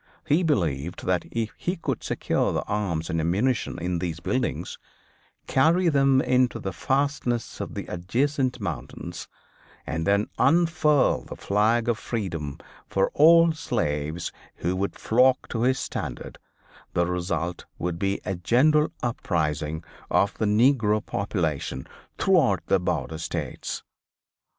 He believed that if he could secure the arms and ammunition in these buildings, carry them into the fastnesses of the adjacent mountains, and then unfurl the flag of freedom for all slaves who would flock to his standard, the result would be a general uprising of the negro population throughout the border states.